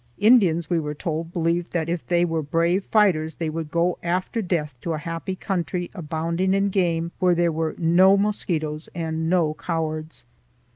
Indians, we were told, believed that if they were brave fighters they would go after death to a happy country abounding in game, where there were no mosquitoes and no cowards.